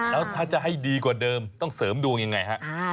แล้วถ้าจะให้ดีกว่าเดิมต้องเสริมดวงยังไงฮะ